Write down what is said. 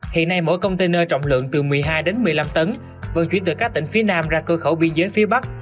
hiện nay mỗi container trọng lượng từ một mươi hai đến một mươi năm tấn vận chuyển từ các tỉnh phía nam ra cơ khẩu biên giới phía bắc